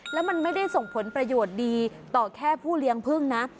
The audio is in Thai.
แล้วมันไม่ได้ส่งผลประโยชน์ดีต่อแค่ผู้เลี้ยงพึ่งนะ